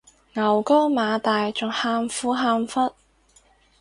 牛高馬大仲喊苦喊忽